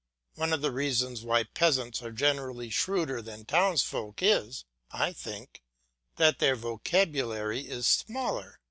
One of the reasons why peasants are generally shrewder than townsfolk is, I think, that their vocabulary is smaller.